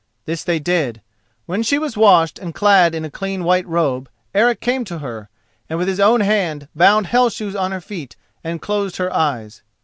This they did. When she was washed and clad in a clean white robe, Eric came to her, and with his own hand bound the Hell shoes on her feet and closed her eyes.